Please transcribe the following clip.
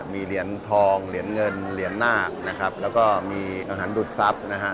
มีเหรียญทองเหรียญเงินเหรียญนาคนะครับแล้วก็มีอาหารดูดทรัพย์นะฮะ